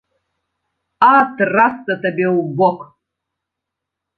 А трасца табе ў бок!